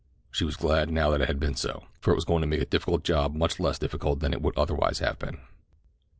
She was glad now that it had been so, for it was going to make a difficult job much less difficult than it would otherwise have been.